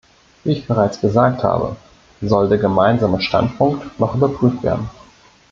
Wie ich bereits gesagt habe, soll der gemeinsame Standpunkt noch überprüft werden.